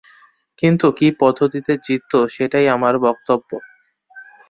কিন্তু কী পদ্ধতিতে জিতত সেটাই আমার বক্তব্য।